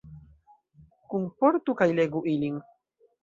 Kunportu kaj legu ilin.